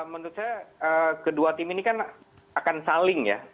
menurut saya kedua tim ini akan saling